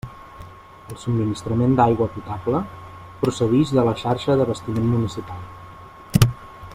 El subministrament d'aigua potable procedix de la xarxa d'abastiment municipal.